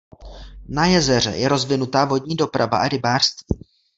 Na jezeře je rozvinutá vodní doprava a rybářství.